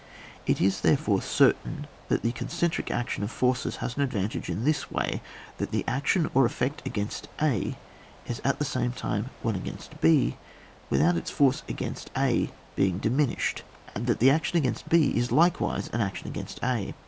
It is, therefore, certain that the con centric action of forces has an advantage in this way, that the action or effect against a is at the same time one against hj without its force against a being dimin ished, and that the action against b is likewise action against a.